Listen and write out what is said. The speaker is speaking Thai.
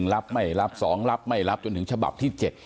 รับไม่รับ๒รับไม่รับจนถึงฉบับที่๗